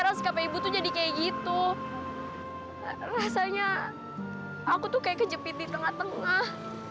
aku tuh kayak kejepit di tengah tengah